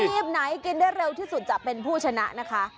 ทีมไหนกินได้เร็วที่สุดจะเป็นผู้ชนะนะคะ